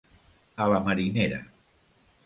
A la marinera.